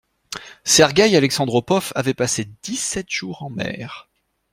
Sergeï Alexandropov avait passé dix-sept jours en mer.